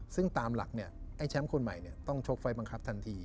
ซึ่งตามหลักแชมป์คนใหม่ต้องชกไฟบังคับทันที